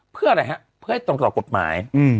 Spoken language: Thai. เพื่ออะไรฮะเพื่อให้ตรงต่อกฎหมาย